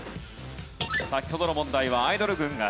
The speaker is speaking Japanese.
先ほどの問題はアイドル軍が勝利。